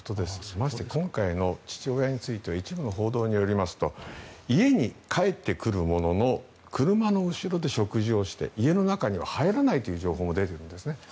ましてや今回の父親については一部の報道によりますと家に帰ってくるものの車の後ろで食事をして家の中には入らないという情報も出ているんですね。